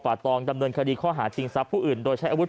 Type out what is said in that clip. ตองดำเนินคดีข้อหาชิงทรัพย์ผู้อื่นโดยใช้อาวุธ